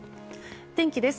天気です。